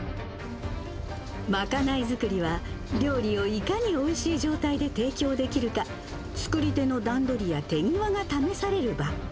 賄い作りは料理をいかにおいしい状態で提供できるか、作り手の段取りや手際が試される場。